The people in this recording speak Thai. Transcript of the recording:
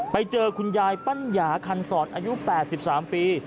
ไปเจอคุณยายปัญญาคันสอดอายุ๘๓ปี